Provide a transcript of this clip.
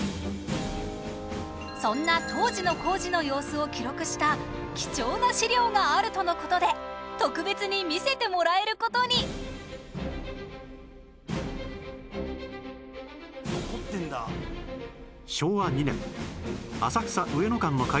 そんな当時の工事の様子を記録した貴重な資料があるとの事で特別に見せてもらえる事に残ってるんだ。